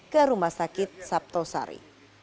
ke rumah sakit sabto sari